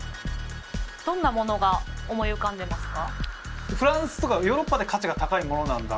どんなものが思い浮かんでますか？